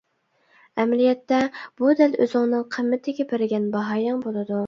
ئەمەلىيەتتە، بۇ دەل ئۆزۈڭنىڭ قىممىتىگە بەرگەن باھايىڭ بولىدۇ.